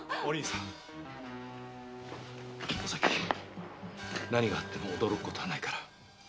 おさき何があっても驚くことはないから。